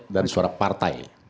dan suara partai